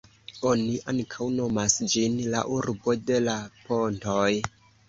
Oni ankaŭ nomas ĝin "La urbo de la pontoj".